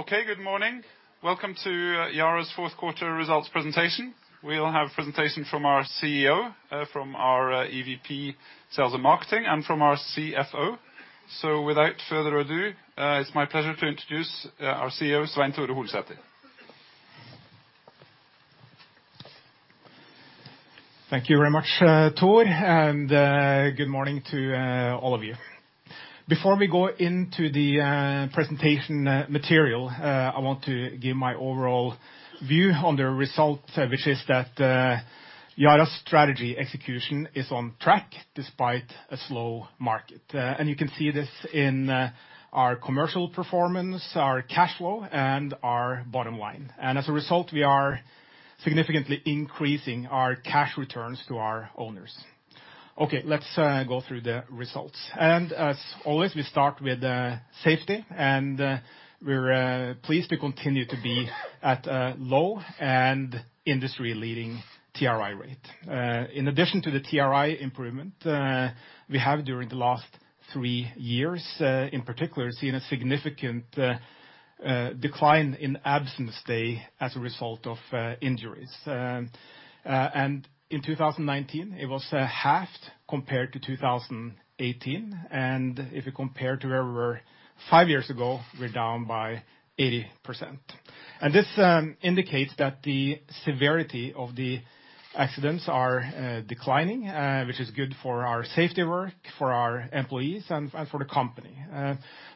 Okay, good morning. Welcome to Yara's fourth quarter results presentation. We'll have presentation from our CEO, from our EVP Sales and Marketing, and from our CFO. Without further ado, it's my pleasure to introduce our CEO, Svein Tore Holsether. Thank you very much, Thor. Good morning to all of you. Before we go into the presentation material, I want to give my overall view on the results, which is that Yara's strategy execution is on track despite a slow market. You can see this in our commercial performance, our cash flow, and our bottom line. As a result, we are significantly increasing our cash returns to our owners. Okay, let's go through the results. As always, we start with safety, and we're pleased to continue to be at a low and industry-leading TRI rate. In addition to the TRI improvement, we have, during the last three years, in particular, seen a significant decline in absence day as a result of injuries. In 2019, it was halved compared to 2018. If you compare to where we were five years ago, we're down by 80%. This indicates that the severity of the accidents are declining, which is good for our safety work, for our employees, and for the company.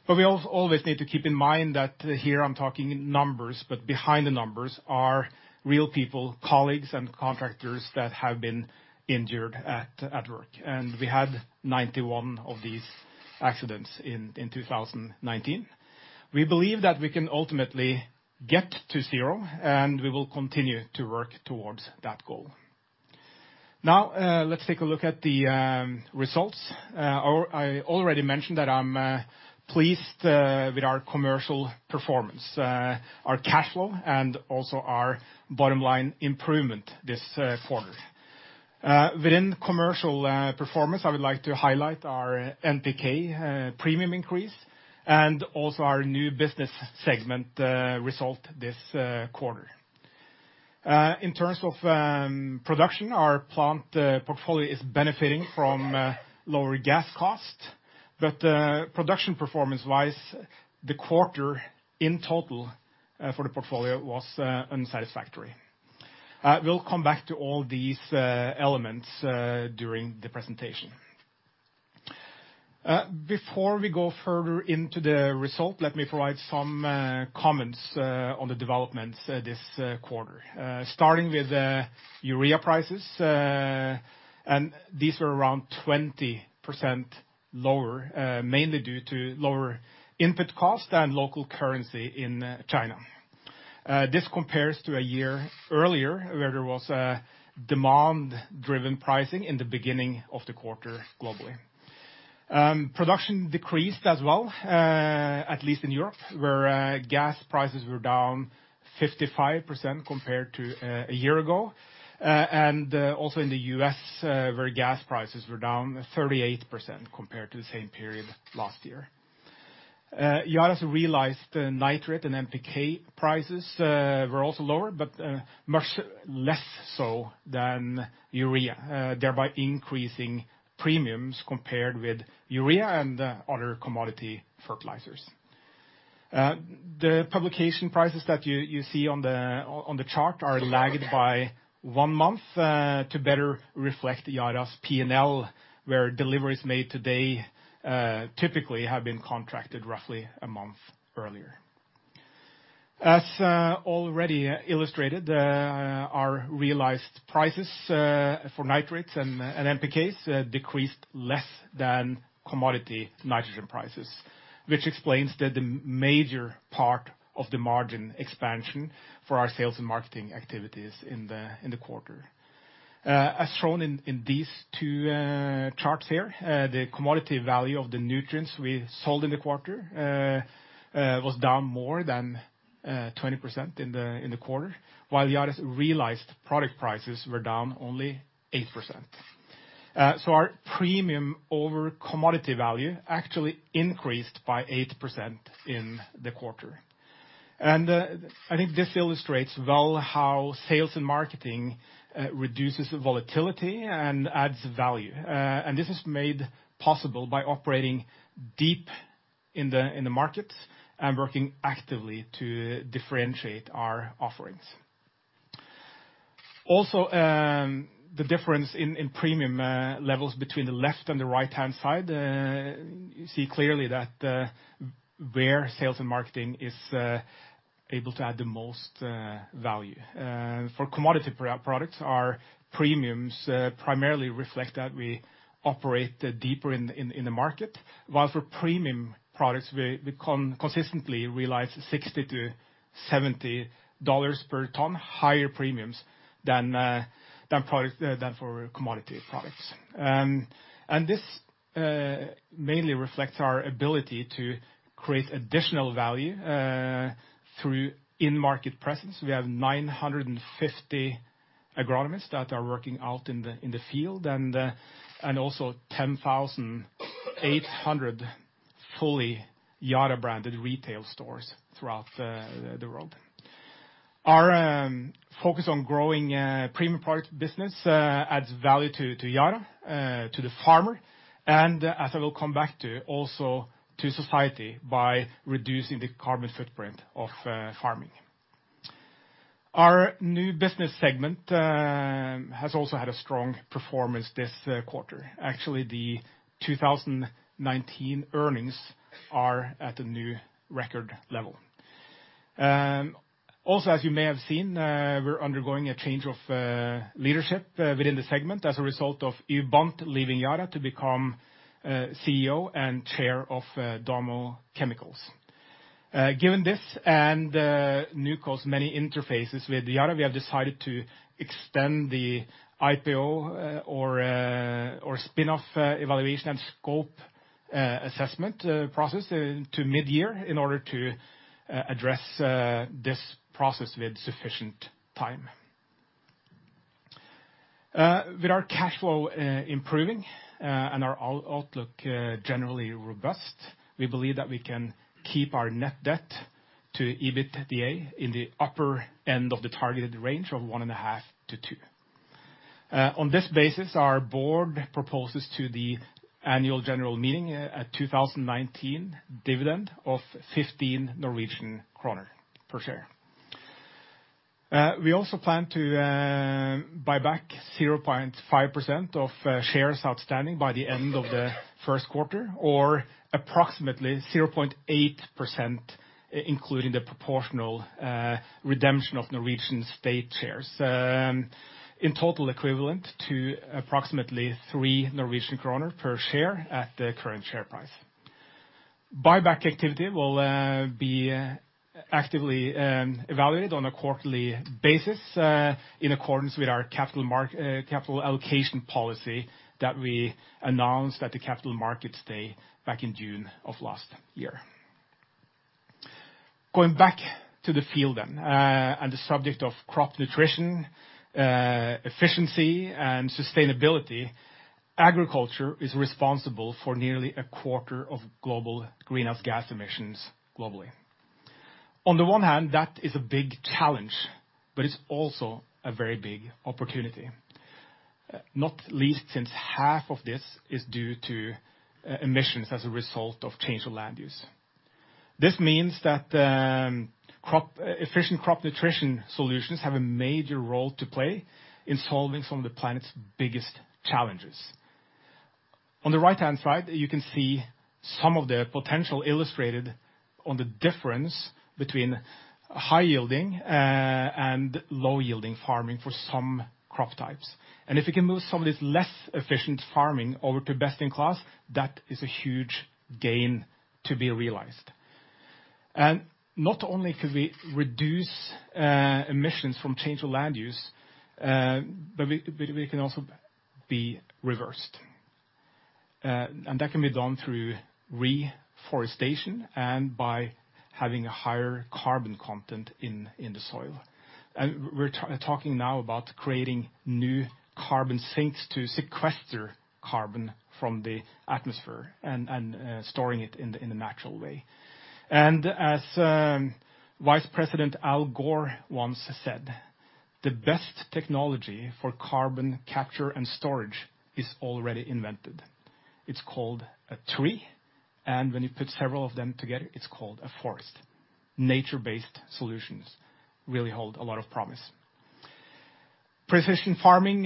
We always need to keep in mind that here I'm talking numbers, but behind the numbers are real people, colleagues, and contractors that have been injured at work. We had 91 of these accidents in 2019. We believe that we can ultimately get to zero, and we will continue to work towards that goal. Now, let's take a look at the results. I already mentioned that I'm pleased with our commercial performance, our cash flow, and also our bottom line improvement this quarter. Within commercial performance, I would like to highlight our NPK premium increase and also our new business segment result this quarter. In terms of production, our plant portfolio is benefiting from lower gas costs, but production performance-wise, the quarter in total for the portfolio was unsatisfactory. We'll come back to all these elements during the presentation. Before we go further into the result, let me provide some comments on the developments this quarter. Starting with urea prices, these were around 20% lower, mainly due to lower input costs than local currency in China. This compares to a year earlier where there was a demand-driven pricing in the beginning of the quarter globally. Production decreased as well, at least in Europe, where gas prices were down 55% compared to a year ago. Also in the U.S., where gas prices were down 38% compared to the same period last year. Yara's realized nitrate and NPK prices were also lower, much less so than urea, thereby increasing premiums compared with urea and other commodity fertilizers. The publication prices that you see on the chart are lagged by one month to better reflect Yara's P&L, where deliveries made today typically have been contracted roughly a month earlier. As already illustrated, our realized prices for nitrates and NPKs decreased less than commodity nitrogen prices, which explains the major part of the margin expansion for our sales and marketing activities in the quarter. As shown in these two charts here, the commodity value of the nutrients we sold in the quarter was down more than 20% in the quarter, while Yara's realized product prices were down only 8%. Our premium over commodity value actually increased by 8% in the quarter. I think this illustrates well how sales and marketing reduces the volatility and adds value. This is made possible by operating deep in the markets and working actively to differentiate our offerings. The difference in premium levels between the left and the right-hand side, you see clearly where sales and marketing is able to add the most value. For commodity products, our premiums primarily reflect that we operate deeper in the market. Whilst for premium products, we consistently realize $60-$70 per ton higher premiums than for commodity products. This mainly reflects our ability to create additional value through in-market presence. We have 950 agronomists that are working out in the field, and also 10,800 fully Yara-branded retail stores throughout the world. Our focus on growing premium product business adds value to Yara, to the farmer, and as I will come back to, also to society by reducing the carbon footprint of farming. Our new business segment has also had a strong performance this quarter. Actually, the 2019 earnings are at a new record level. Also, as you may have seen, we're undergoing a change of leadership within the segment as a result of Yves Bonte leaving Yara to become CEO and Chair of Domo Chemicals. Given this and NewCo’s many interfaces with Yara, we have decided to extend the IPO or spin-off evaluation and scope assessment process to mid-year in order to address this process with sufficient time. With our cash flow improving and our outlook generally robust, we believe that we can keep our net debt to EBITDA in the upper end of the targeted range of 1.5-2. On this basis, our board proposes to the annual general meeting a 2019 dividend of 15 Norwegian kroner per share. We also plan to buy back 0.5% of shares outstanding by the end of the first quarter, or approximately 0.8%, including the proportional redemption of Norwegian state shares. In total, equivalent to approximately 3 Norwegian kroner per share at the current share price. Buyback activity will be actively evaluated on a quarterly basis in accordance with our capital allocation policy that we announced at the capital markets day back in June of last year. Going back to the field then, and the subject of crop nutrition, efficiency, and sustainability, agriculture is responsible for nearly a quarter of global greenhouse gas emissions globally. On the one hand, that is a big challenge, but it's also a very big opportunity, not least since half of this is due to emissions as a result of change of land use. This means that efficient crop nutrition solutions have a major role to play in solving some of the planet's biggest challenges. On the right-hand side, you can see some of the potential illustrated on the difference between high-yielding and low-yielding farming for some crop types. If we can move some of this less efficient farming over to best in class, that is a huge gain to be realized. Not only can we reduce emissions from change of land use, but we can also be reversed. That can be done through reforestation and by having a higher carbon content in the soil. We're talking now about creating new carbon sinks to sequester carbon from the atmosphere and storing it in the natural way. As Vice President Al Gore once said, "The best technology for carbon capture and storage is already invented. It's called a tree. When you put several of them together, it's called a forest." Nature-based solutions really hold a lot of promise. Precision farming,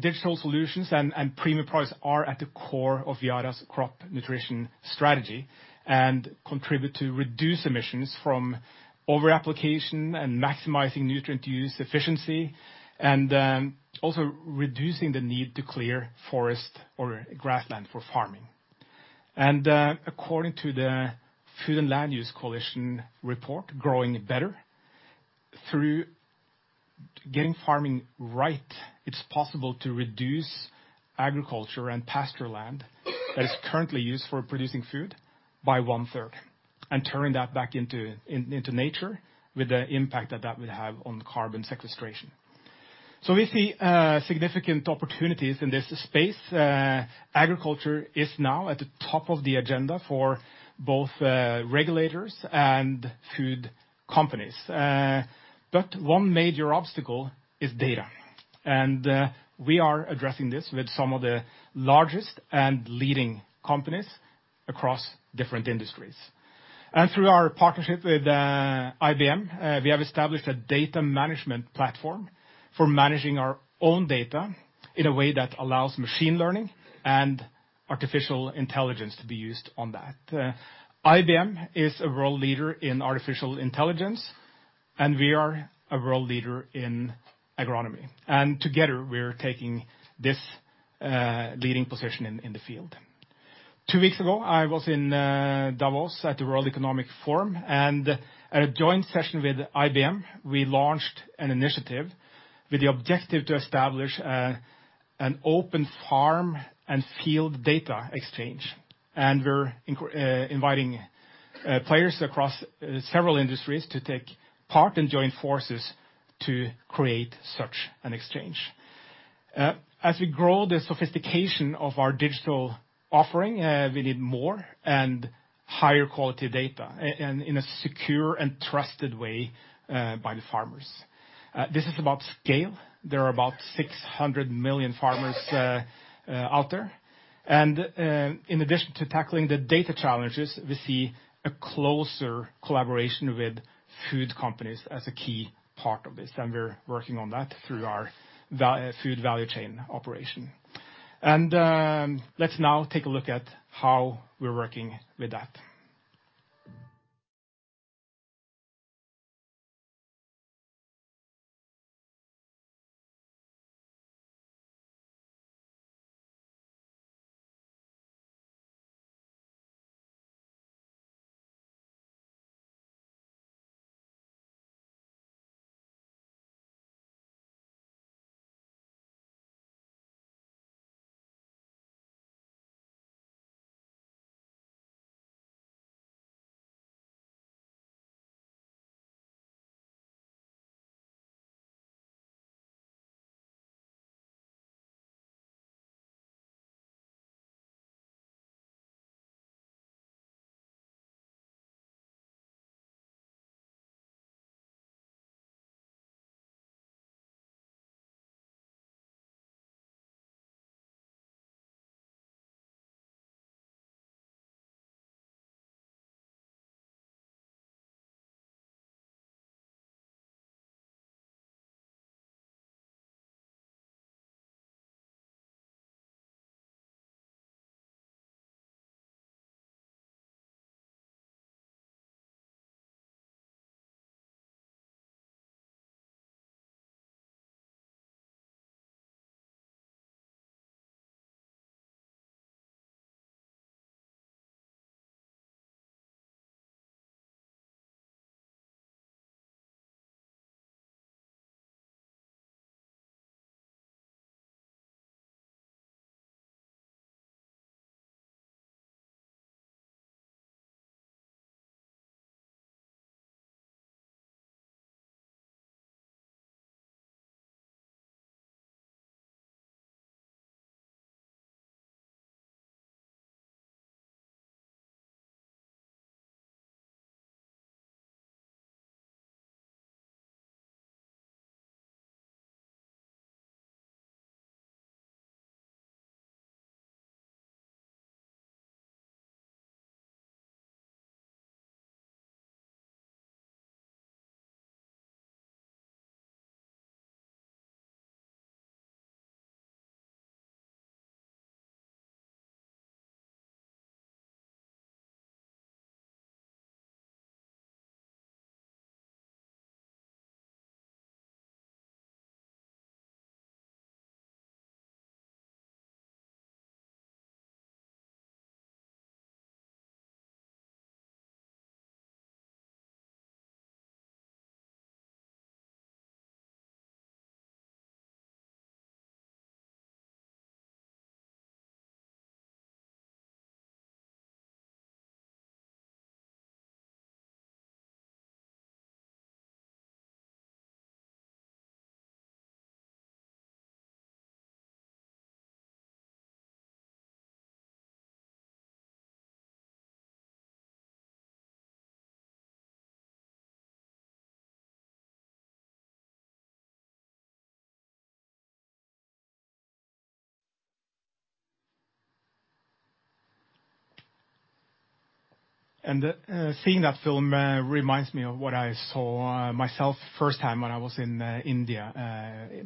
digital solutions, and premium products are at the core of Yara's crop nutrition strategy and contribute to reduce emissions from overapplication and maximizing nutrient use efficiency, and then also reducing the need to clear forest or grassland for farming. According to the Food and Land Use Coalition report, Growing Better, through getting farming right, it's possible to reduce agriculture and pasture land that is currently used for producing food by one-third and turn that back into nature with the impact that that would have on carbon sequestration. We see significant opportunities in this space. Agriculture is now at the top of the agenda for both regulators and food companies. One major obstacle is data, and we are addressing this with some of the largest and leading companies across different industries. Through our partnership with IBM, we have established a data management platform for managing our own data in a way that allows machine learning and artificial intelligence to be used on that. IBM is a world leader in artificial intelligence, and we are a world leader in agronomy. Together, we're taking this leading position in the field. Two weeks ago, I was in Davos at the World Economic Forum, at a joint session with IBM, we launched an initiative with the objective to establish an open farm and field data exchange. We're inviting players across several industries to take part and join forces to create such an exchange. As we grow the sophistication of our digital offering, we need more and higher quality data, in a secure and trusted way by the farmers. This is about scale. There are about 600 million farmers out there. In addition to tackling the data challenges, we see a closer collaboration with food companies as a key part of this, and we're working on that through our food value chain operation. Let's now take a look at how we're working with that. Seeing that film reminds me of what I saw myself first time when I was in India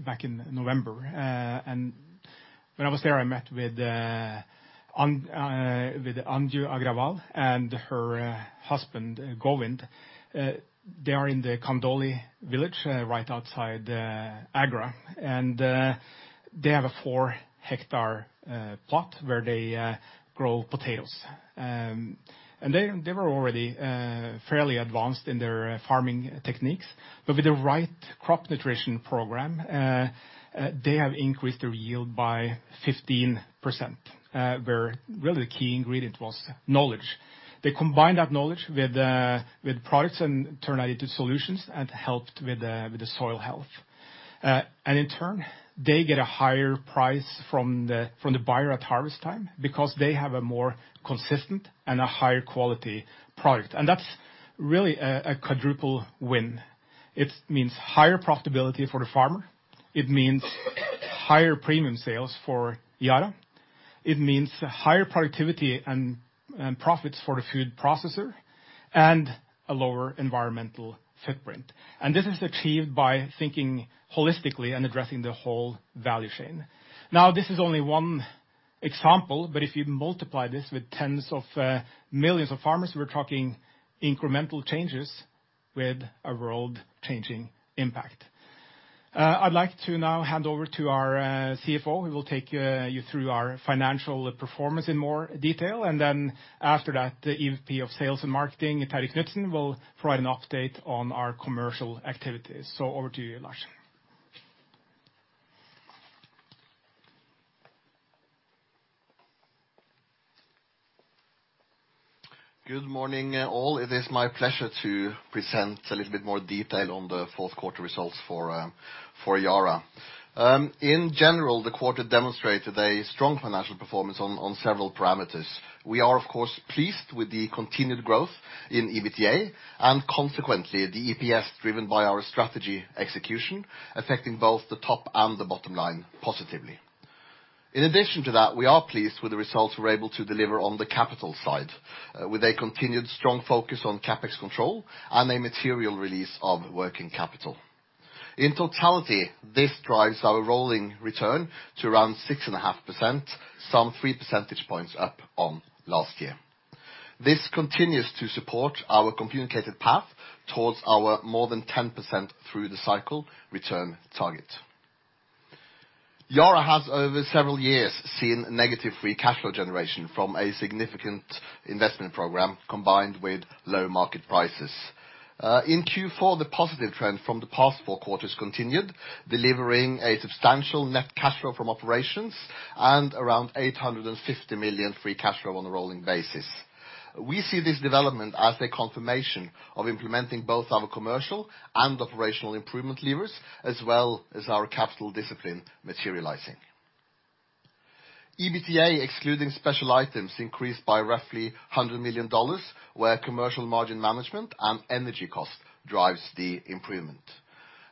back in November. When I was there, I met with Anju Agrawal and her husband, Govind. They are in the Khandauli village, right outside Agra. They have a four-hectare plot where they grow potatoes. They were already fairly advanced in their farming techniques, but with the right crop nutrition program, they have increased their yield by 15%, where really the key ingredient was knowledge. They combined that knowledge with products and turned that into solutions and helped with the soil health. In turn, they get a higher price from the buyer at harvest time because they have a more consistent and a higher quality product. That's really a quadruple win. It means higher profitability for the farmer. It means higher premium sales for Yara. It means higher productivity and profits for the food processor, and a lower environmental footprint. This is achieved by thinking holistically and addressing the whole value chain. This is only one example, but if you multiply this with tens of millions of farmers, we're talking incremental changes with a world-changing impact. I'd like to now hand over to our CFO, who will take you through our financial performance in more detail. After that, the EVP of Sales and Marketing, Terje Knutsen, will provide an update on our commercial activities. Over to you, Lars. Good morning, all. It is my pleasure to present a little bit more detail on the fourth quarter results for Yara. In general, the quarter demonstrated a strong financial performance on several parameters. We are, of course, pleased with the continued growth in EBITDA, and consequently, the EPS driven by our strategy execution, affecting both the top and the bottom line positively. In addition to that, we are pleased with the results we're able to deliver on the capital side, with a continued strong focus on CapEx control and a material release of working capital. In totality, this drives our rolling return to around 6.5%, some 3 percentage points up on last year. This continues to support our communicated path towards our more than 10% through the cycle return target. Yara has, over several years, seen negative free cash flow generation from a significant investment program, combined with low market prices. In Q4, the positive trend from the past four quarters continued, delivering a substantial net cash flow from operations and around $850 million free cash flow on a rolling basis. We see this development as a confirmation of implementing both our commercial and operational improvement levers, as well as our capital discipline materializing. EBITDA, excluding special items, increased by roughly $100 million, where commercial margin management and energy cost drives the improvement.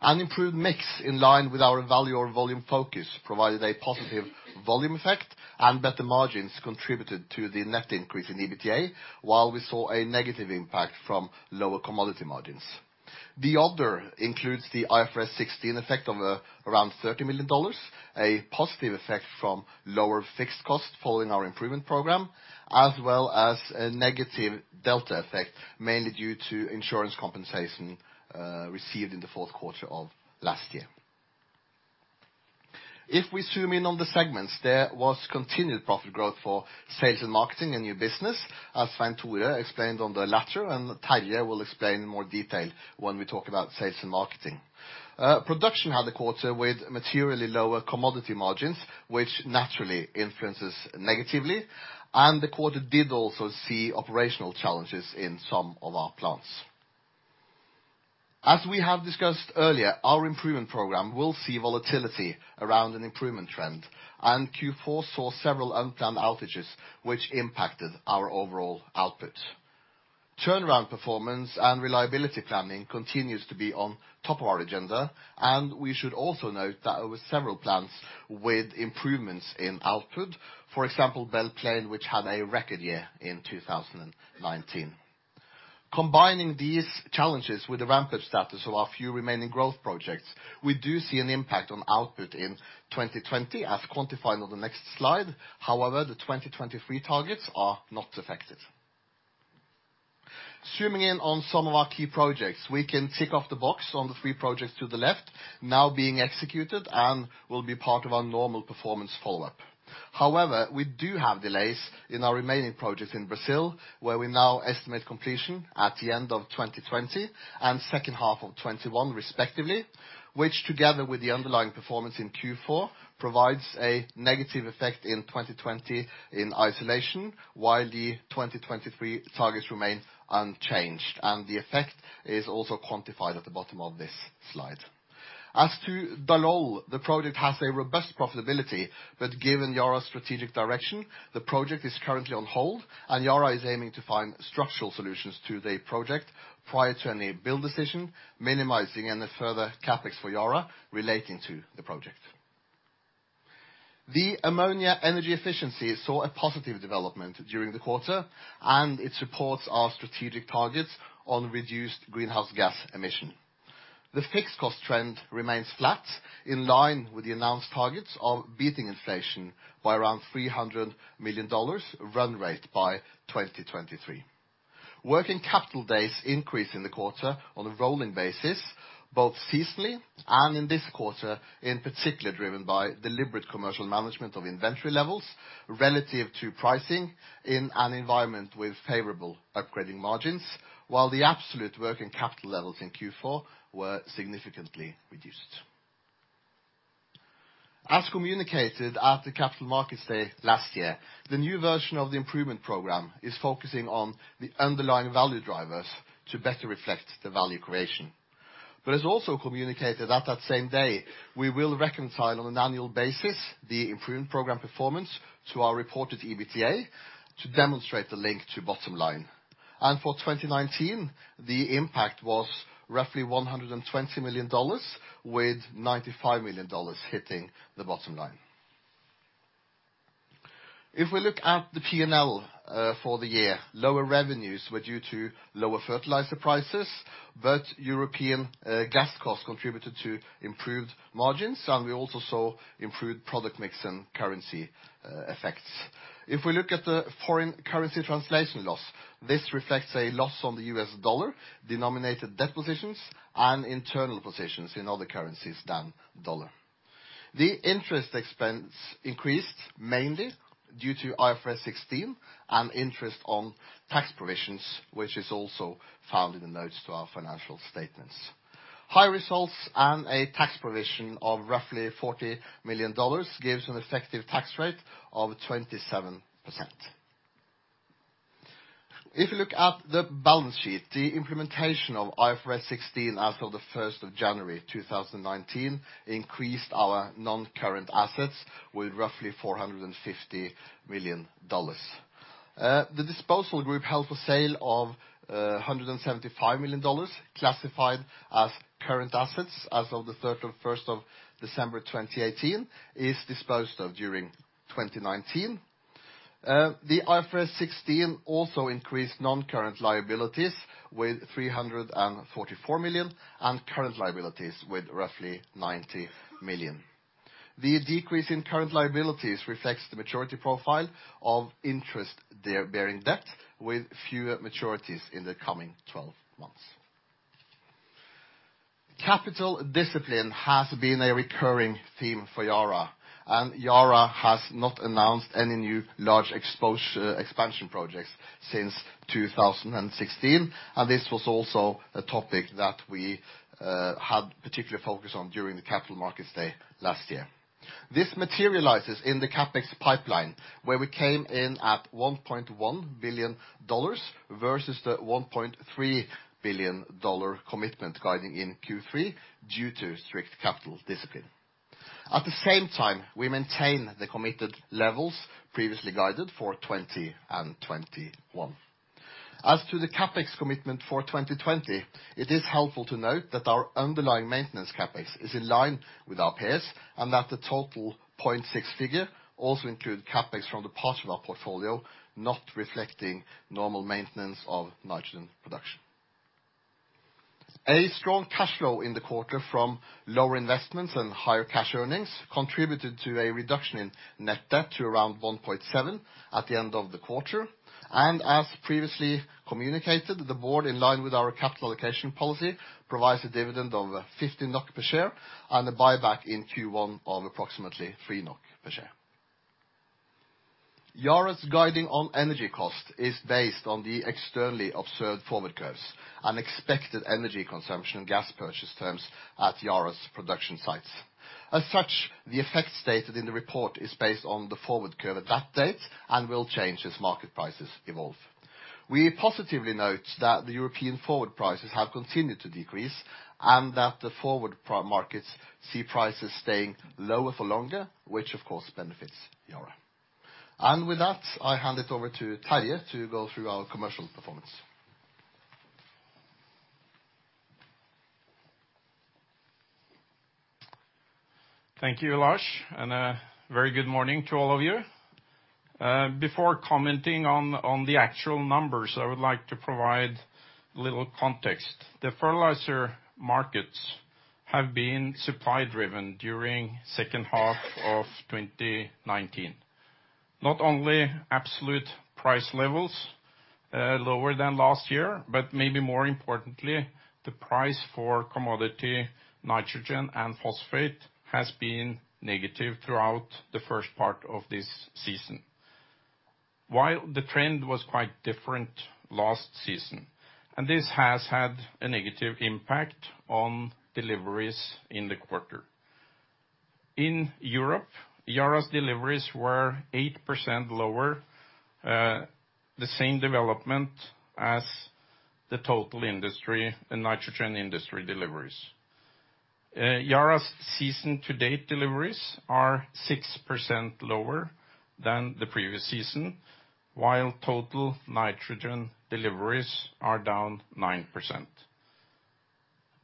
An improved mix in line with our value or volume focus provided a positive volume effect, and better margins contributed to the net increase in EBITDA, while we saw a negative impact from lower commodity margins. The other includes the IFRS 16 effect of around $30 million, a positive effect from lower fixed cost following our Improvement Program, as well as a negative delta effect, mainly due to insurance compensation received in the fourth quarter of last year. If we zoom in on the segments, there was continued profit growth for Sales & Marketing and New Business, as Svein Tore explained on the latter, and Terje will explain in more detail when we talk about Sales & Marketing. Production had a quarter with materially lower commodity margins, which naturally influences negatively, and the quarter did also see operational challenges in some of our plants. As we have discussed earlier, our Improvement Program will see volatility around an improvement trend, and Q4 saw several unplanned outages, which impacted our overall output. Turnaround performance and reliability planning continues to be on top of our agenda. We should also note that there were several plants with improvements in output. For example, Belle Plaine, which had a record year in 2019. Combining these challenges with the ramped status of our few remaining growth projects, we do see an impact on output in 2020 as quantified on the next slide. However, the 2023 targets are not affected. Zooming in on some of our key projects, we can tick off the box on the three projects to the left now being executed and will be part of our normal performance follow-up. We do have delays in our remaining projects in Brazil, where we now estimate completion at the end of 2020, and second half of 2021 respectively, which, together with the underlying performance in Q4, provides a negative effect in 2020 in isolation, while the 2023 targets remain unchanged. The effect is also quantified at the bottom of this slide. As to Dallol, the project has a robust profitability, but given Yara's strategic direction, the project is currently on hold, and Yara is aiming to find structural solutions to the project prior to any build decision, minimizing any further CapEx for Yara relating to the project. The ammonia energy efficiency saw a positive development during the quarter, and it supports our strategic targets on reduced greenhouse gas emission. The fixed cost trend remains flat, in line with the announced targets of beating inflation by around $300 million run rate by 2023. Working capital days increased in the quarter on a rolling basis, both seasonally and in this quarter, in particular driven by deliberate commercial management of inventory levels relative to pricing in an environment with favorable upgrading margins, while the absolute working capital levels in Q4 were significantly reduced. As communicated at the Capital Markets Day last year, the new version of the Improvement Program is focusing on the underlying value drivers to better reflect the value creation. As also communicated at that same day, we will reconcile on an annual basis the Improvement Program performance to our reported EBITDA to demonstrate the link to bottom line. For 2019, the impact was roughly $120 million, with $95 million hitting the bottom line. If we look at the P&L for the year, lower revenues were due to lower fertilizer prices, but European gas costs contributed to improved margins, and we also saw improved product mix and currency effects. If we look at the foreign currency translation loss, this reflects a loss on the U.S. dollar, denominated debt positions, and internal positions in other currencies than U.S. dollar. The interest expense increased mainly due to IFRS 16 and interest on tax provisions, which is also found in the notes to our financial statements. High results and a tax provision of roughly $40 million gives an effective tax rate of 27%. If you look at the balance sheet, the implementation of IFRS 16 as of the 1st of January 2019 increased our non-current assets with roughly $450 million. The disposal group held for sale of $175 million, classified as current assets as of the 31st of December 2018, is disposed of during 2019. The IFRS 16 also increased non-current liabilities with $344 million, and current liabilities with roughly $90 million. The decrease in current liabilities reflects the maturity profile of interest-bearing debt with fewer maturities in the coming 12 months. Capital discipline has been a recurring theme for Yara, and Yara has not announced any new large expansion projects since 2016, and this was also a topic that we had particular focus on during the Capital Markets Day last year. This materializes in the CapEx pipeline, where we came in at $1.1 billion versus the $1.3 billion commitment guiding in Q3 due to strict capital discipline. At the same time, we maintain the committed levels previously guided for 2020 and 2021. As to the CapEx commitment for 2020, it is helpful to note that our underlying maintenance CapEx is in line with our peers, and that the total $0.6 figure also include CapEx from the part of our portfolio not reflecting normal maintenance of nitrogen production. A strong cash flow in the quarter from lower investments and higher cash earnings contributed to a reduction in net debt to around 1.7 at the end of the quarter. As previously communicated, the board, in line with our capital allocation policy, provides a dividend of 15 NOK per share, and a buyback in Q1 of approximately 3 NOK per share. Yara's guiding on energy cost is based on the externally observed forward curves and expected energy consumption gas purchase terms at Yara's production sites. As such, the effect stated in the report is based on the forward curve at that date and will change as market prices evolve. We positively note that the European forward prices have continued to decrease, and that the forward markets see prices staying lower for longer, which of course benefits Yara. With that, I hand it over to Terje to go through our commercial performance. Thank you, Lars. A very good morning to all of you. Before commenting on the actual numbers, I would like to provide a little context. The fertilizer markets have been supply driven during second half of 2019. Not only absolute price levels, lower than last year, but maybe more importantly, the price for commodity nitrogen and phosphate has been negative throughout the first part of this season, while the trend was quite different last season. This has had a negative impact on deliveries in the quarter. In Europe, Yara's deliveries were 8% lower, the same development as the total industry and nitrogen industry deliveries. Yara's season to date deliveries are 6% lower than the previous season, while total nitrogen deliveries are down 9%.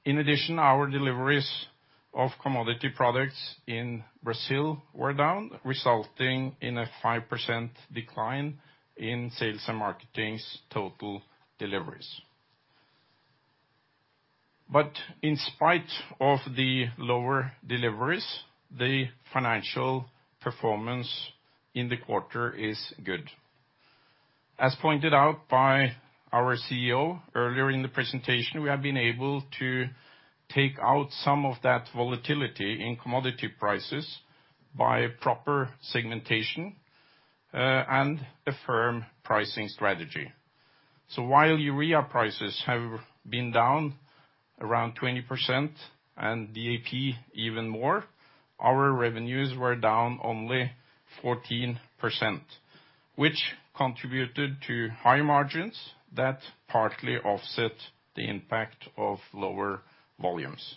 In addition, our deliveries of commodity products in Brazil were down, resulting in a 5% decline in sales and marketing's total deliveries. In spite of the lower deliveries, the financial performance in the quarter is good. As pointed out by our CEO earlier in the presentation, we have been able to take out some of that volatility in commodity prices by proper segmentation, and a firm pricing strategy. While urea prices have been down around 20% and DAP even more, our revenues were down only 14%, which contributed to high margins that partly offset the impact of lower volumes.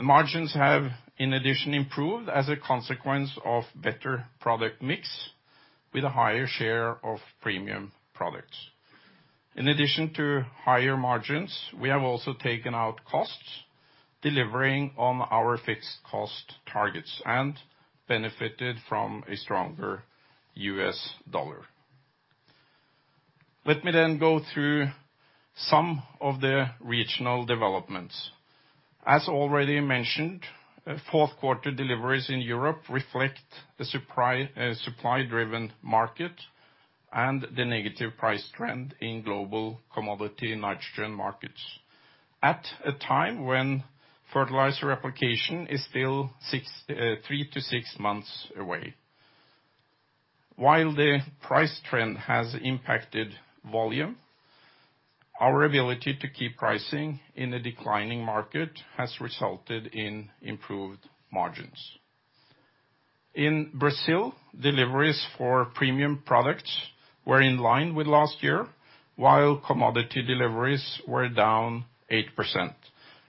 Margins have, in addition, improved as a consequence of better product mix with a higher share of premium products. In addition to higher margins, we have also taken out costs, delivering on our fixed cost targets and benefited from a stronger U.S. dollar. Let me go through some of the regional developments. As already mentioned, fourth quarter deliveries in Europe reflect the supply-driven market and the negative price trend in global commodity nitrogen markets at a time when fertilizer application is still three to six months away. While the price trend has impacted volume, our ability to keep pricing in a declining market has resulted in improved margins. In Brazil, deliveries for premium products were in line with last year, while commodity deliveries were down 8%,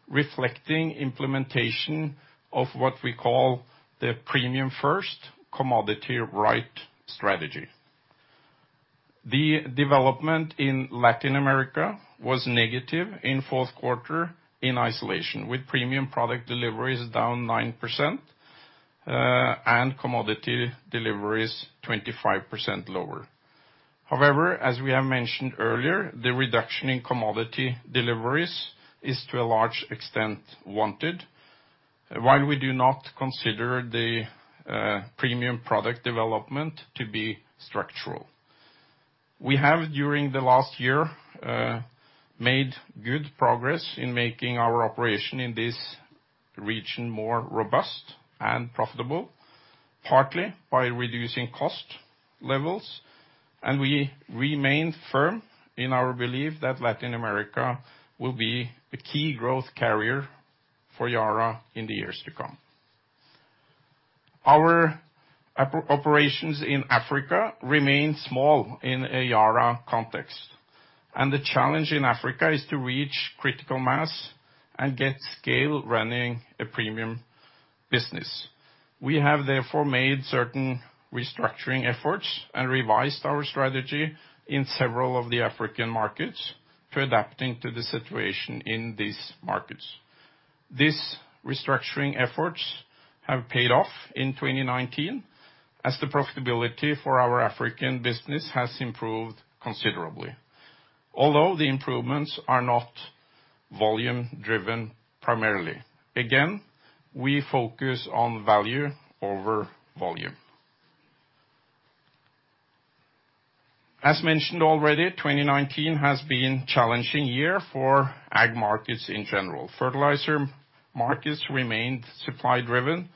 reflecting implementation of what we call the premium first, commodity right strategy. The development in Latin America was negative in fourth quarter, in isolation, with premium product deliveries down 9% and commodity deliveries 25% lower. However, as we have mentioned earlier, the reduction in commodity deliveries is to a large extent wanted. While we do not consider the premium product development to be structural. We have, during the last year, made good progress in making our operation in this region more robust and profitable, partly by reducing cost levels. We remain firm in our belief that Latin America will be a key growth carrier for Yara in the years to come. Our operations in Africa remain small in a Yara context. The challenge in Africa is to reach critical mass and get scale running a premium business. We have therefore made certain restructuring efforts and revised our strategy in several of the African markets to adapting to the situation in these markets. These restructuring efforts have paid off in 2019 as the profitability for our African business has improved considerably. Although the improvements are not volume driven primarily. Again, we focus on value over volume. As mentioned already, 2019 has been a challenging year for ag markets in general. Fertilizer markets remained supply driven,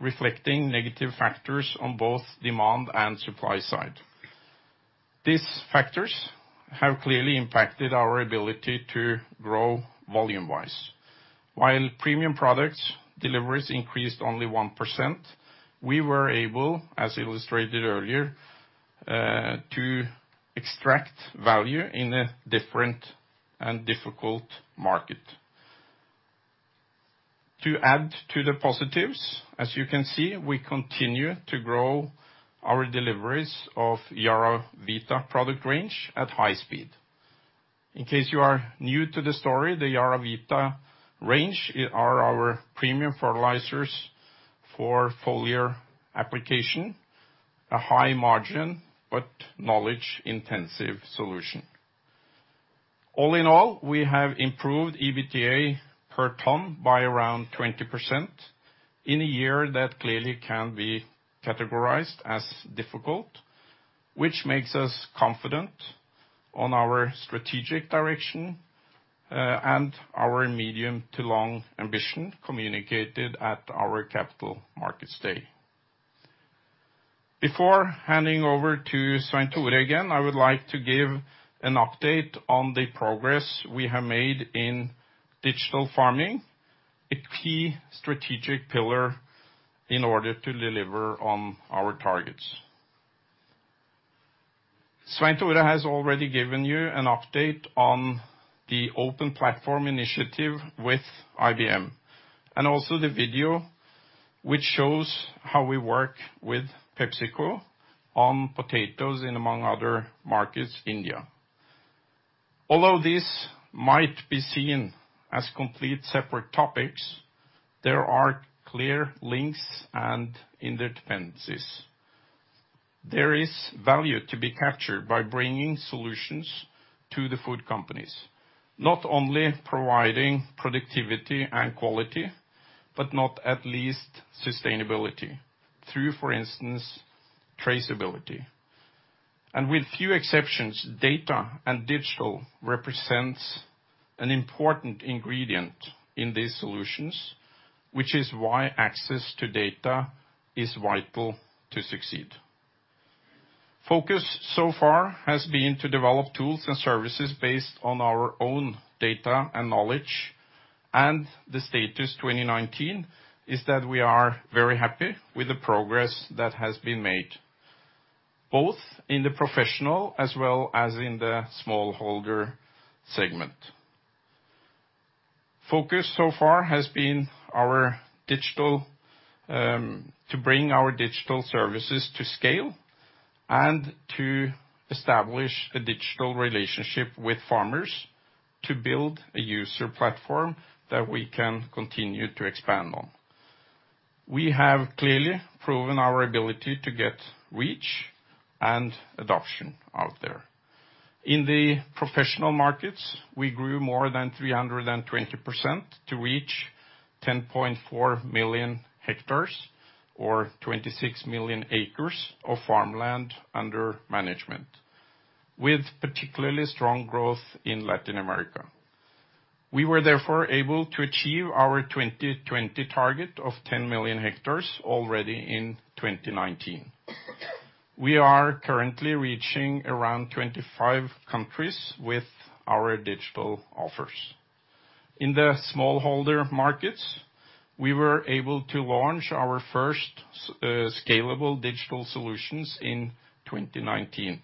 reflecting negative factors on both demand and supply side. These factors have clearly impacted our ability to grow volume-wise. While premium products deliveries increased only 1%, we were able, as illustrated earlier, to extract value in a different and difficult market. To add to the positives, as you can see, we continue to grow our deliveries of YaraVita product range at high speed. In case you are new to the story, the YaraVita range are our premium fertilizers for foliar application, a high margin, but knowledge-intensive solution. All in all, we have improved EBITDA per ton by around 20% in a year that clearly can be categorized as difficult, which makes us confident on our strategic direction, and our medium to long ambition communicated at our Capital Markets Day. Before handing over to Svein Tore again, I would like to give an update on the progress we have made in digital farming, a key strategic pillar in order to deliver on our targets. Svein Tore has already given you an update on the open platform initiative with IBM, and also the video which shows how we work with PepsiCo on potatoes in among other markets, India. This might be seen as complete separate topics, there are clear links and interdependencies. There is value to be captured by bringing solutions to the food companies. Not only providing productivity and quality, but not at least sustainability through, for instance, traceability. With few exceptions, data and digital represents an important ingredient in these solutions, which is why access to data is vital to succeed. Focus so far has been to develop tools and services based on our own data and knowledge, and the status 2019 is that we are very happy with the progress that has been made, both in the professional as well as in the smallholder segment. Focus so far has been to bring our digital services to scale and to establish a digital relationship with farmers to build a user platform that we can continue to expand on. We have clearly proven our ability to get reach and adoption out there. In the professional markets, we grew more than 320% to reach 10.4 million hectares, or 26 million acres of farmland under management, with particularly strong growth in Latin America. We were therefore able to achieve our 2020 target of 10 million hectares already in 2019. We are currently reaching around 25 countries with our digital offers. In the smallholder markets, we were able to launch our first scalable digital solutions in 2019,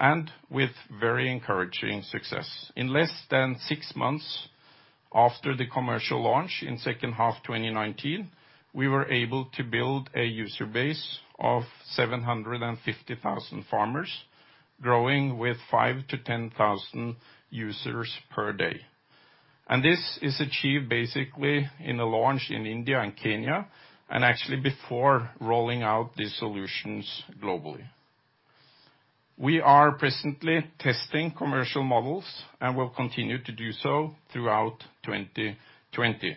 and with very encouraging success. In less than six months after the commercial launch in second half 2019, we were able to build a user base of 750,000 farmers, growing with 5,000-10,000 users per day. This is achieved basically in a launch in India and Kenya, actually before rolling out these solutions globally. We are presently testing commercial models and will continue to do so throughout 2020.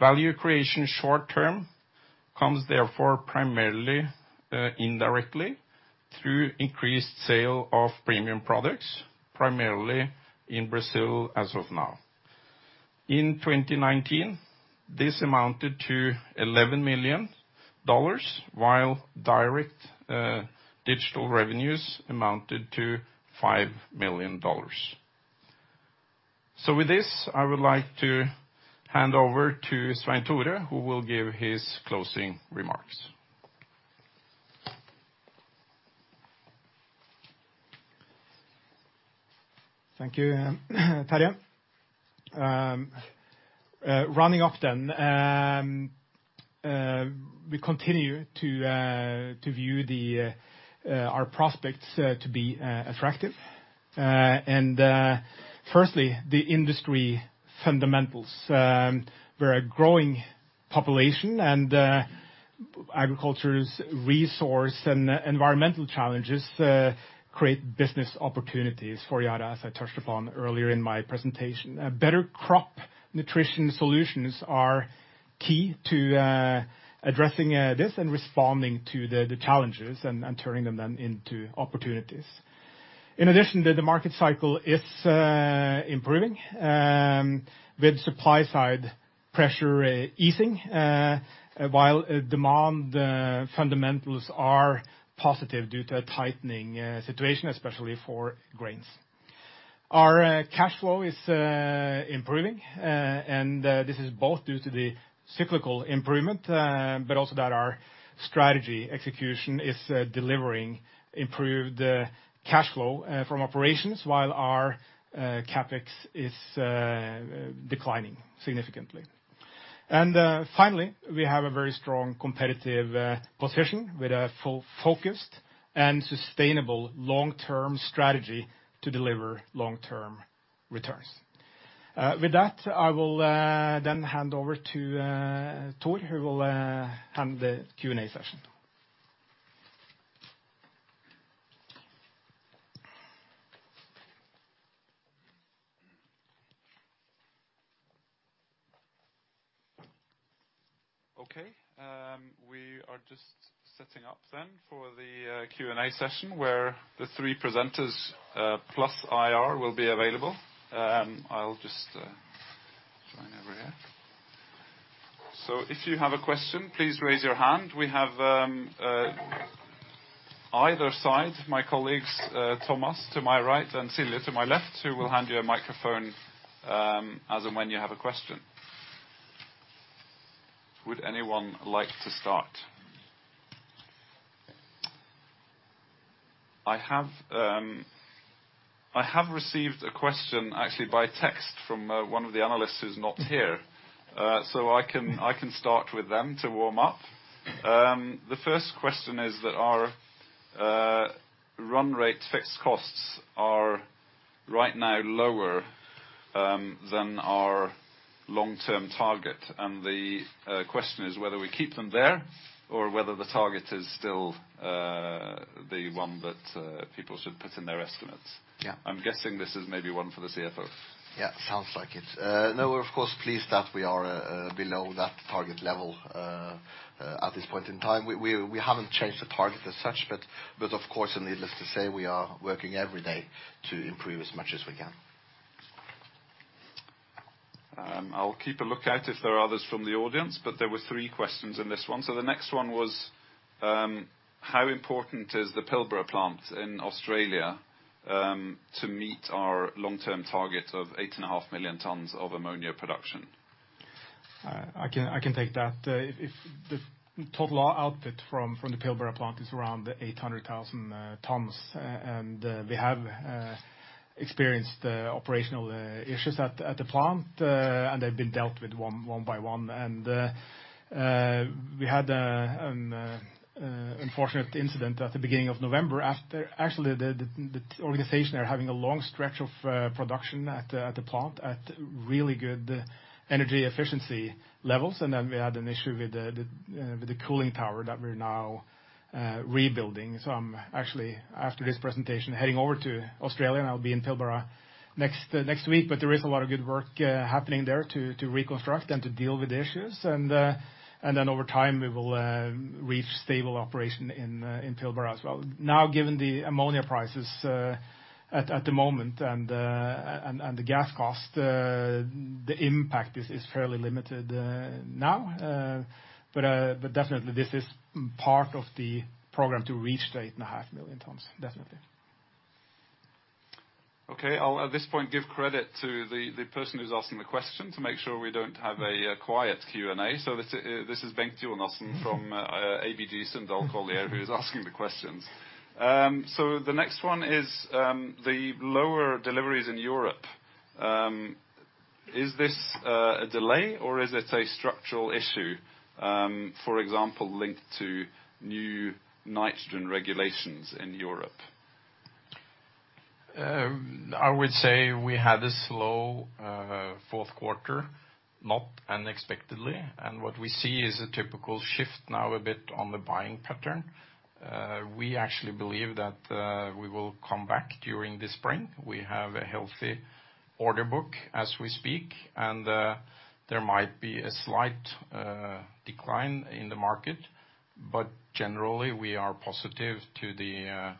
Value creation short term comes therefore primarily indirectly through increased sale of premium products, primarily in Brazil as of now. In 2019, this amounted to $11 million, while direct digital revenues amounted to $5 million. With this, I would like to hand over to Svein Tore, who will give his closing remarks. Thank you, Terje. Running often, we continue to view our prospects to be attractive. Firstly, the industry fundamentals. We're a growing population, and agriculture's resource and environmental challenges create business opportunities for Yara, as I touched upon earlier in my presentation. Better crop nutrition solutions are key to addressing this and responding to the challenges and turning them then into opportunities. In addition, the market cycle is improving with supply side pressure easing, while demand fundamentals are positive due to a tightening situation, especially for grains. Our cash flow is improving, and this is both due to the cyclical improvement, but also that our strategy execution is delivering improved cash flow from operations while our CapEx is declining significantly. Finally, we have a very strong competitive position with a full focused and sustainable long-term strategy to deliver long-term returns. With that, I will then hand over to Thor, who will hand the Q&A session. Okay. We are just setting up for the Q&A session, where the three presenters plus IR will be available. I'll just join over here. If you have a question, please raise your hand. We have either side, my colleagues, Thomas, to my right and Celia to my left, who will hand you a microphone as and when you have a question. Would anyone like to start? I have received a question actually by text from one of the analysts who's not here. I can start with them to warm up. The first question is that our run rate fixed costs are right now lower than our long-term target, and the question is whether we keep them there or whether the target is still the one that people should put in their estimates. Yeah. I'm guessing this is maybe one for the CFO. Sounds like it. We're of course pleased that we are below that target level at this point in time. We haven't changed the target as such. Of course, and needless to say, we are working every day to improve as much as we can. I'll keep a look out if there are others from the audience, but there were three questions in this one. The next one was, how important is the Pilbara plant in Australia to meet our long-term target of eight and a half million tons of ammonia production? I can take that. The total output from the Pilbara plant is around 800,000 tons. We have experienced operational issues at the plant, and they've been dealt with one by one. We had an unfortunate incident at the beginning of November after, actually, the organization are having a long stretch of production at the plant at really good energy efficiency levels. We had an issue with the cooling tower that we're now rebuilding. I'm actually, after this presentation, heading over to Australia, and I'll be in Pilbara next week. There is a lot of good work happening there to reconstruct and to deal with issues. Over time, we will reach stable operation in Pilbara as well. Now, given the ammonia prices at the moment and the gas cost, the impact is fairly limited now. Definitely, this is part of the program to reach the 8.5 million tons. Definitely. Okay. I'll, at this point, give credit to the person who's asking the question to make sure we don't have a quiet Q&A. This is Bengt Jonassen from ABG Sundal Collier who's asking the questions. The next one is the lower deliveries in Europe. Is this a delay or is it a structural issue, for example, linked to new nitrogen regulations in Europe? I would say we had a slow fourth quarter, not unexpectedly, and what we see is a typical shift now a bit on the buying pattern. We actually believe that we will come back during the spring. We have a healthy order book as we speak, and there might be a slight decline in the market, but generally we are positive to the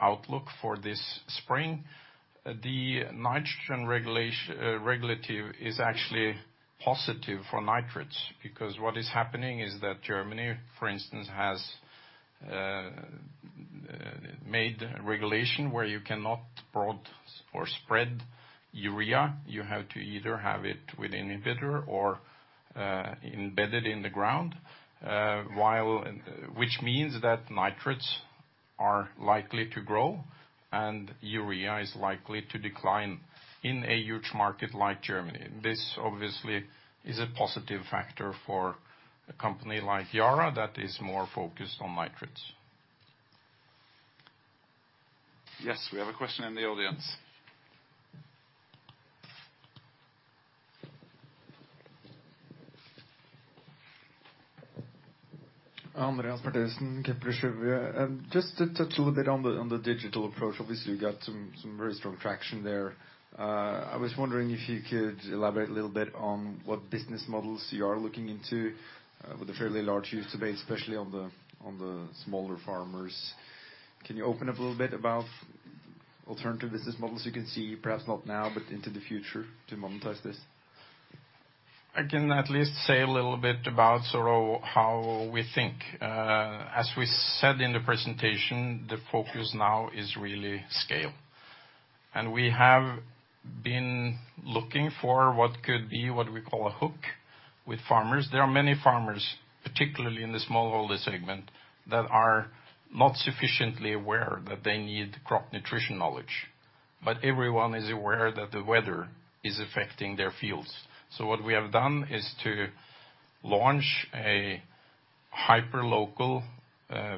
outlook for this spring. The nitrogen regulative is actually positive for nitrates, because what is happening is that Germany, for instance, has made regulation where you cannot broad or spread urea. You have to either have it with inhibitor or embedded in the ground which means that nitrates are likely to grow and urea is likely to decline in a huge market like Germany. This obviously is a positive factor for a company like Yara that is more focused on nitrates. We have a question in the audience. Andreas Bertheussen, Kepler Cheuvreux. Just to touch a little bit on the digital approach. Obviously, you got some very strong traction there. I was wondering if you could elaborate a little bit on what business models you are looking into with a fairly large user base, especially on the smaller farmers. Can you open up a little bit about alternative business models you can see, perhaps not now, but into the future to monetize this? I can at least say a little bit about sort of how we think. As we said in the presentation, the focus now is really scale. We have been looking for what could be what we call a hook with farmers. There are many farmers, particularly in the smallholder segment, that are not sufficiently aware that they need crop nutrition knowledge. Everyone is aware that the weather is affecting their fields. What we have done is to launch a hyperlocal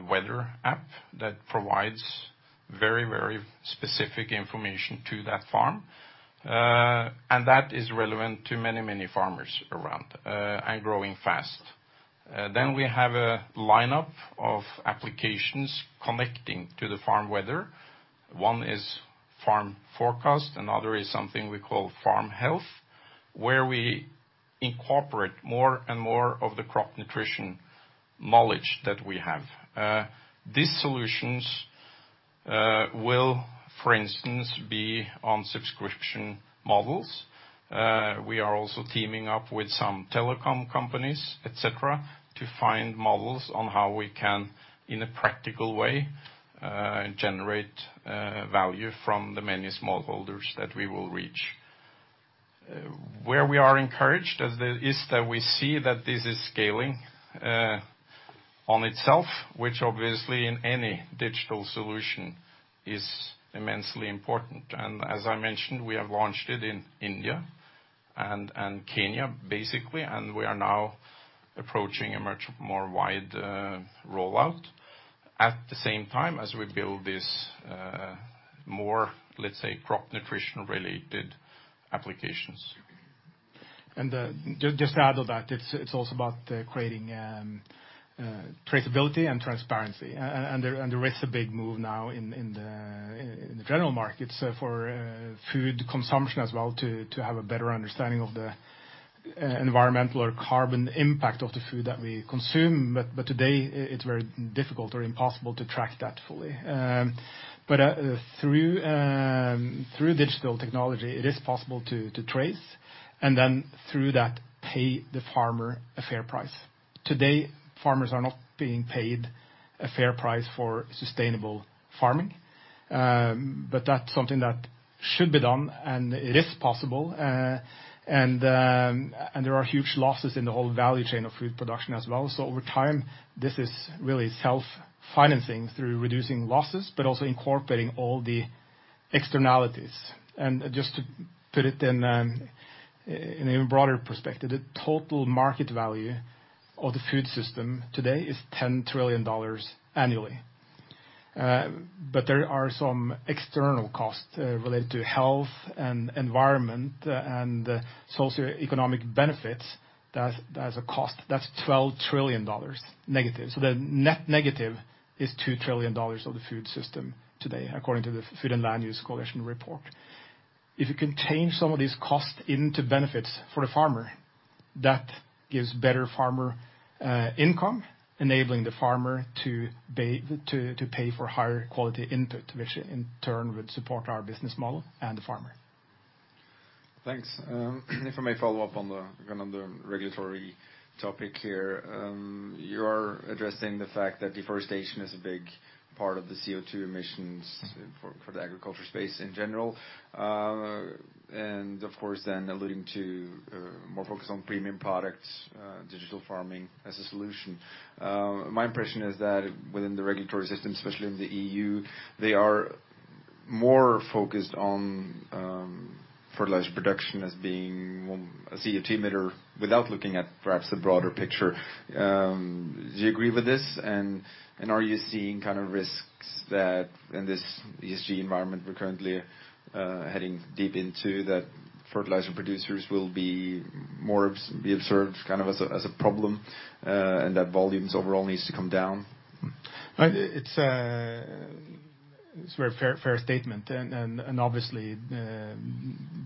weather app that provides very specific information to that farm. That is relevant to many farmers around, and growing fast. We have a lineup of applications connecting to the farm weather. One is Farm Forecast. Another is something we call Farm Health, where we incorporate more and more of the crop nutrition knowledge that we have. These solutions will, for instance, be on subscription models. We are also teaming up with some telecom companies, et cetera, to find models on how we can, in a practical way, generate value from the many smallholders that we will reach. Where we are encouraged is that we see that this is scaling on itself, which obviously in any digital solution is immensely important. As I mentioned, we have launched it in India and Kenya, basically, and we are now approaching a much more wide rollout. At the same time as we build this more, let's say, crop nutrition-related applications. Just to add on that, it's also about creating traceability and transparency. There is a big move now in the general markets for food consumption as well to have a better understanding of the environmental or carbon impact of the food that we consume. Today, it's very difficult or impossible to track that fully. Through digital technology, it is possible to trace and then through that pay the farmer a fair price. Today, farmers are not being paid a fair price for sustainable farming. That's something that should be done, and it is possible. There are huge losses in the whole value chain of food production as well. Over time, this is really self-financing through reducing losses, but also incorporating all the externalities. Just to put it in a broader perspective, the total market value of the food system today is $10 trillion annually. There are some external costs related to health and environment and socioeconomic benefits that's a cost. That's $12 trillion negative. The net negative is $2 trillion of the food system today, according to the Food and Land Use Coalition report. If you can change some of these costs into benefits for the farmer, that gives better farmer income, enabling the farmer to pay for higher quality input, which in turn would support our business model and the farmer. Thanks. If I may follow up on the regulatory topic here. You are addressing the fact that deforestation is a big part of the CO2 emissions for the agriculture space in general. Of course, then alluding to more focus on premium products, digital farming as a solution. My impression is that within the regulatory system, especially in the EU, they are more focused on fertilizer production as being a CO2 emitter without looking at perhaps the broader picture. Do you agree with this? Are you seeing risks that in this ESG environment we're currently heading deep into, that fertilizer producers will be observed as a problem, and that volumes overall needs to come down? It's a very fair statement. Obviously,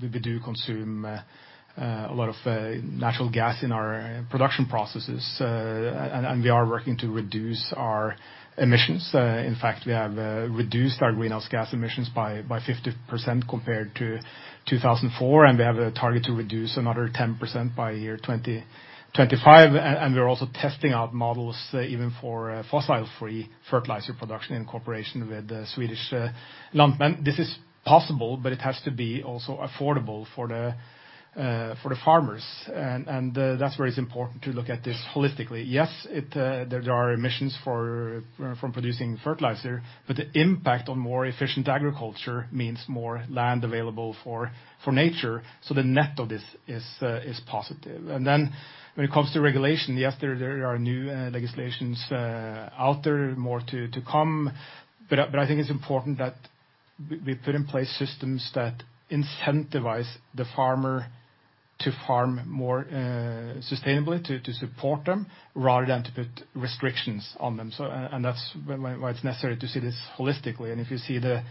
we do consume a lot of natural gas in our production processes, and we are working to reduce our emissions. In fact, we have reduced our greenhouse gas emissions by 50% compared to 2004, and we have a target to reduce another 10% by year 2025. We're also testing out models even for fossil-free fertilizer production in cooperation with the Swedish Lantmännen. This is possible, but it has to be also affordable for the farmers. That's where it's important to look at this holistically. Yes, there are emissions from producing fertilizer, but the impact on more efficient agriculture means more land available for nature. The net of this is positive. When it comes to regulation, yes, there are new legislations out there, more to come. I think it's important that we put in place systems that incentivize the farmer to farm more sustainably, to support them, rather than to put restrictions on them. That's why it's necessary to see this holistically. If you see the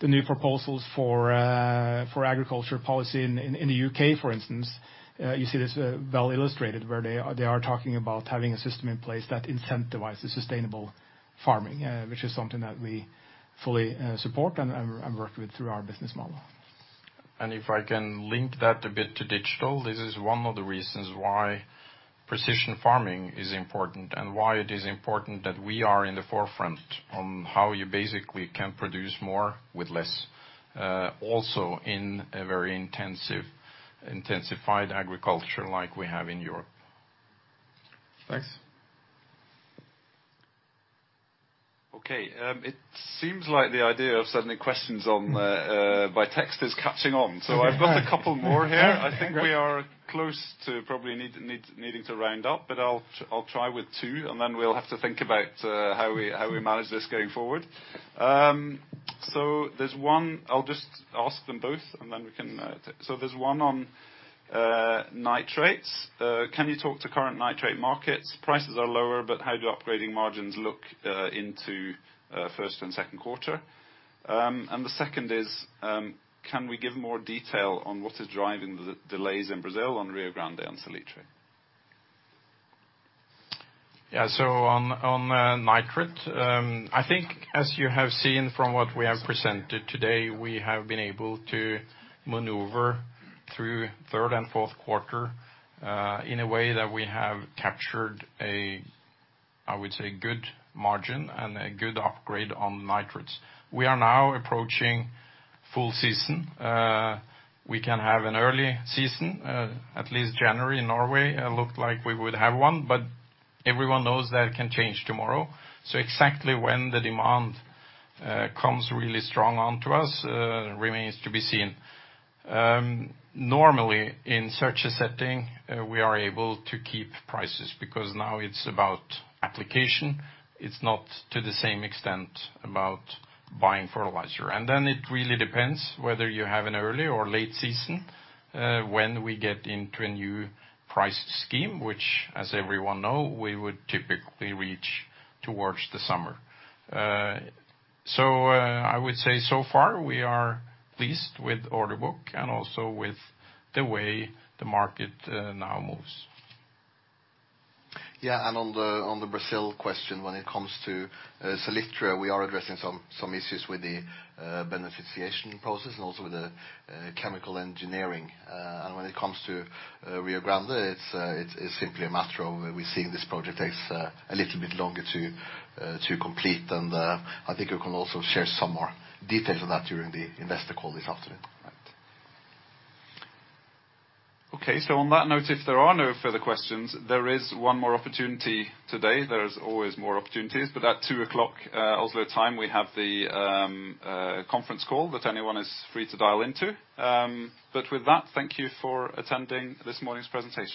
new proposals for agriculture policy in the U.K., for instance, you see this well illustrated, where they are talking about having a system in place that incentivizes sustainable farming, which is something that we fully support and work with through our business model. If I can link that a bit to digital, this is one of the reasons why precision farming is important and why it is important that we are in the forefront on how you basically can produce more with less, also in a very intensified agriculture like we have in Europe. Thanks. Okay. It seems like the idea of sending questions by text is catching on. I've got a couple more here. I think we are close to probably needing to round up, but I will try with two, and then we will have to think about how we manage this going forward. I will just ask them both, and then we can. There is one on nitrates. Can you talk to current nitrate markets? Prices are lower, but how do upgrading margins look into first and second quarter? The second is, can we give more detail on what is driving the delays in Brazil on Rio Grande and Salitre? On nitrates, I think as you have seen from what we have presented today, we have been able to maneuver through third and fourth quarter in a way that we have captured a, I would say, good margin and a good upgrade on nitrates. We are now approaching full season. We can have an early season, at least January in Norway it looked like we would have one, but everyone knows that can change tomorrow. Exactly when the demand comes really strong onto us remains to be seen. Normally, in such a setting, we are able to keep prices, because now it's about application. It's not to the same extent about buying fertilizer. Then it really depends whether you have an early or late season, when we get into a new price scheme, which, as everyone know, we would typically reach towards the summer. I would say so far we are pleased with order book and also with the way the market now moves. On the Brazil question, when it comes to Salitre, we are addressing some issues with the beneficiation process and also with the chemical engineering. When it comes to Rio Grande, it's simply a matter of we're seeing this project takes a little bit longer to complete. I think we can also share some more details on that during the investor call this afternoon. Okay. On that note, if there are no further questions, there is one more opportunity today. There's always more opportunities, at 2:00 P.M. Oslo time, we have the conference call that anyone is free to dial into. With that, thank you for attending this morning's presentation.